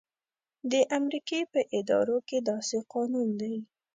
د امریکې په ادارو کې داسې قانون دی.